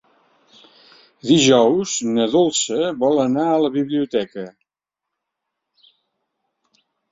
Dijous na Dolça vol anar a la biblioteca.